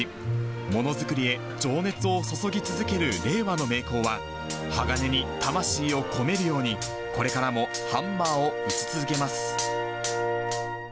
ものづくりへ情熱を注ぎ続ける令和の名工は、鋼に魂を込めるように、これからもハンマーを打ち続けます。